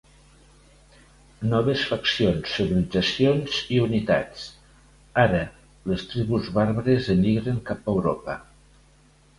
Noves faccions, civilitzacions i unitats: ara les tribus bàrbares emigren cap a Europa.